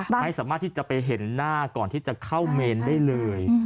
ไม่สามารถที่จะไปเห็นหน้าก่อนที่จะเข้าเมนได้เลย